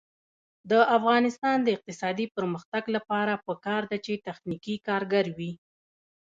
د افغانستان د اقتصادي پرمختګ لپاره پکار ده چې تخنیکي کارګر وي.